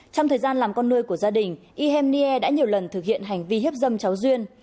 trong thời gian làm con nuôi của gia đình ihem nir đã nhiều lần thực hiện hành vi hiếp dâm cháu duyên